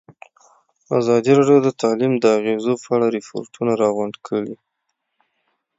ازادي راډیو د تعلیم د اغېزو په اړه ریپوټونه راغونډ کړي.